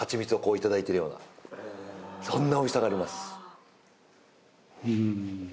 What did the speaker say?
そんなおいしさがあります。